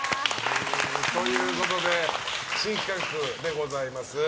ということで新企画でございます。